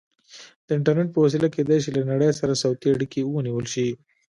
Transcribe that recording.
د انټرنیټ په وسیله کیدای شي له نړۍ سره صوتي اړیکې ونیول شي.